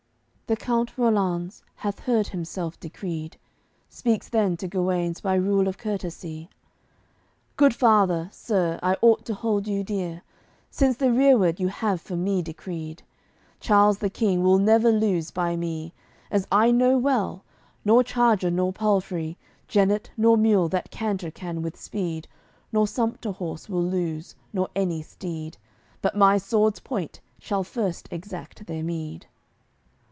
AOI. LIX The count Rollanz hath heard himself decreed; Speaks then to Guenes by rule of courtesy: "Good father, Sir, I ought to hold you dear, Since the rereward you have for me decreed. Charles the King will never lose by me, As I know well, nor charger nor palfrey, Jennet nor mule that canter can with speed, Nor sumpter horse will lose, nor any steed; But my sword's point shall first exact their meed."